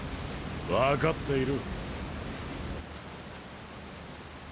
わかっている。